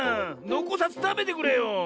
のこさずたべてくれよ。